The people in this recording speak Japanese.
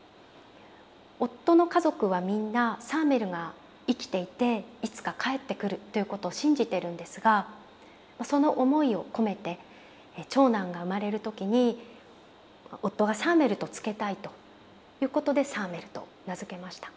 夫の家族はみんなサーメルが生きていていつか帰ってくるということを信じてるんですがその思いを込めて長男が生まれる時に夫がサーメルと付けたいということでサーメルと名付けました。